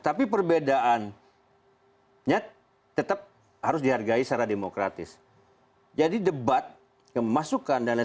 tapi perbedaan nyat tetap harus dihargai secara demokratis jadi debat yang masukkan dan lain